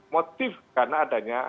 motif karena adanya